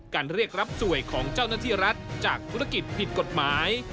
เรียกรับสวยของเจ้าหน้าที่รัฐจากธุรกิจผิดกฎหมาย